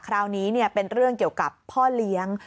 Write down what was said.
คราวนี้เป็นเรื่องเกี่ยวกับพ่อเลี้ยง